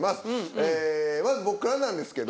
ええまず僕からなんですけど。